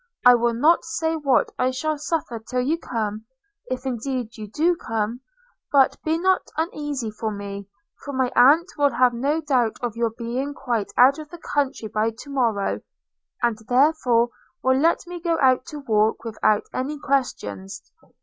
I will not say what I shall suffer till you come, if indeed you do come: but be not uneasy for me, for my aunt will have no doubt of your being quite out of the country by to morrow, and therefore will let me go out to walk without any questions.